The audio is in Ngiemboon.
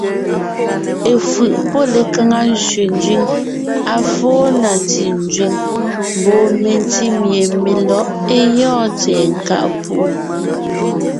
Efʉ̀ʼ pɔ́ lekaŋa zẅénzẅíŋ, à fó na ntí nzẅíŋ mbɔɔ mentí mie melɔ̌ʼ é gyɔ́ɔn tsɛ̀ɛ nkáʼ púʼu.